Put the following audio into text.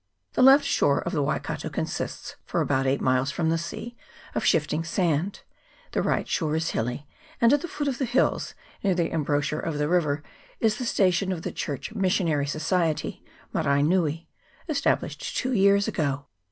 The left shore of the Waikato consists, for about eight miles from the sea, of shifting sand ; the right shore is hilly, and at the foot of the hills, near the embouchure of the river, is the station of the Church Missionary Society, Maraenui, established two years ago.